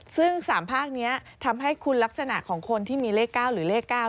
ซึ่ง๓ภาคนี้ทำให้คุณลักษณะของคนที่มีเลข๙หรือเลข๙